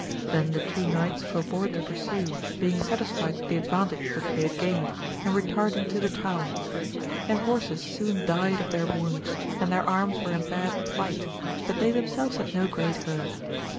Then the two knights forebore to pursue, being satisfied with the advantage which they had gained, and retired into the town. Their horses soon died of their wounds, and their arms were in bad plight, but they themselves had no great hurt.